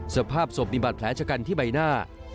สภาพศพนิบัติแผลชกันที่ใบหน้า